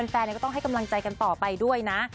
แฟนก็ต้องให้กำลังใจกันต่อไปด้วยนะ